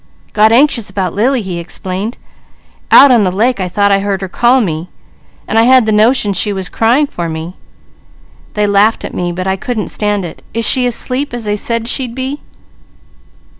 "Got anxious about Lily," he explained. "Out on the lake I thought I heard her call me, then I had the notion she was crying for me. They laughed at me, but I couldn't stand it. Is she asleep, as they said she'd be?"